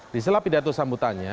di setelah pidato sambutannya